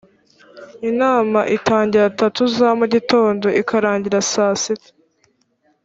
inama itangira tatu za mu gitondo ikarangira saa sita